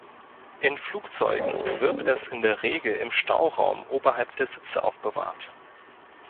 In Flugzeugen wird es in der Regel im Stauraum oberhalb der Sitze aufbewahrt.